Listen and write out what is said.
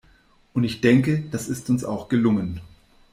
Und ich denke, das ist uns auch gelungen.